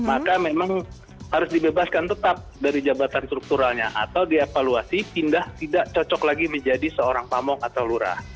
maka memang harus dibebaskan tetap dari jabatan strukturalnya atau dievaluasi pindah tidak cocok lagi menjadi seorang pamong atau lurah